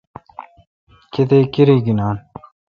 کتیک کرائ گینان؟